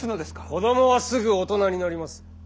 子供はすぐ大人になります。